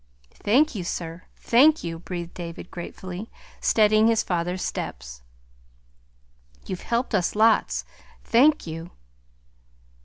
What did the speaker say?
"Thank you, sir, thank you," breathed David gratefully, steadying his father's steps. "You've helped us lots. Thank you!"